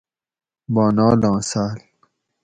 بانالاں ساۤل